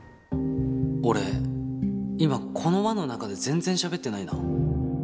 俺今この輪の中で全然しゃべってないな。